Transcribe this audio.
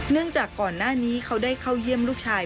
จากก่อนหน้านี้เขาได้เข้าเยี่ยมลูกชาย